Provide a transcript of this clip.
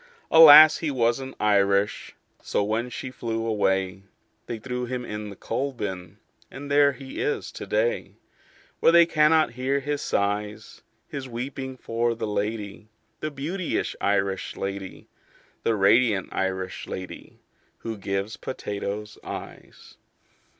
Alas, he wasn't Irish. So when she flew away, They threw him in the coal bin And there he is to day, Where they cannot hear his sighs His weeping for the lady, The beauteous Irish lady, The radiant Irish lady Who gives potatoes eyes."